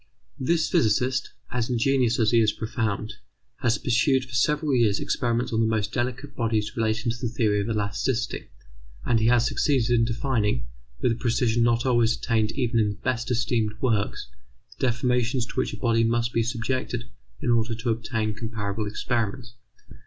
This physicist, as ingenious as he is profound, has pursued for several years experiments on the most delicate points relating to the theory of elasticity, and he has succeeded in defining with a precision not always attained even in the best esteemed works, the deformations to which a body must be subjected in order to obtain comparable experiments.